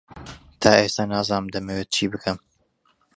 تا ئێستا نازانم دەمەوێت چی بکەم.